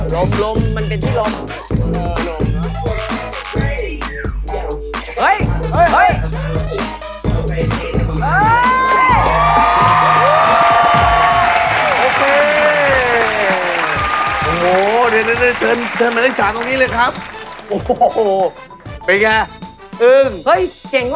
ลมมันเป็นพี่ลม